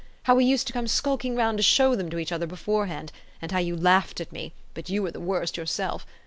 how we used to come skulking round to show them to each other beforehand, and how you laughed at me ; but you were the worst yourself)